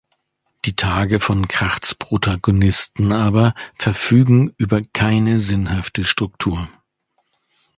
Die Tage von Krachts Protagonisten aber verfügen über keine sinnhafte Struktur.